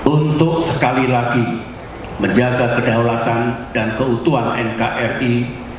untuk sekali lagi menjaga kedaulatan dan keutuhan nkri